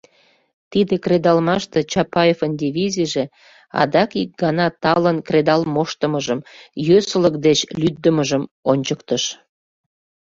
Тиде кредалмаште Чапаевын дивизийже адак ик гана талын кредал моштымыжым, йӧсылык деч лӱддымыжым ончыктыш.